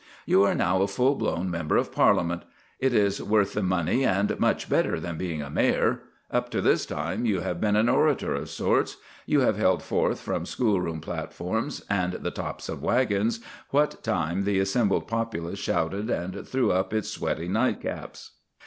You are now a full blown member of Parliament; it is worth the money and much better than being a mayor. Up to this time you have been an orator of sorts. You have held forth from schoolroom platforms and the tops of waggons what time the assembled populace shouted and threw up its sweaty nightcaps.